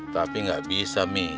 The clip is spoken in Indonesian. tapi tidak bisa mi